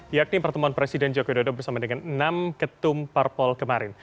yakni pertemuan presiden jokowi dodo bersama dengan enam ketum parpol kemarin